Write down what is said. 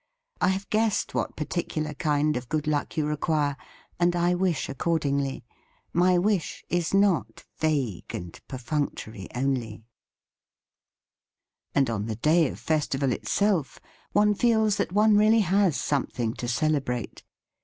I have guessed what particular kind of good luck you require, and I wish accordingly. My wish is not vague and perfunctory only." 1* n* 1* •I* And on the day of festival itself one feels that one really has something to THE FEAST OF ST FRIEND celebrate.